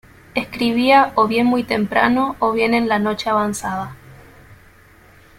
Escribía o bien muy temprano o bien en la noche avanzada.